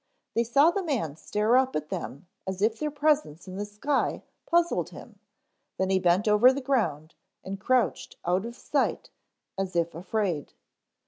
They saw the man stare up at them as if their presence in the sky puzzled him, then he bent over the ground and crouched out of sight, as if afraid.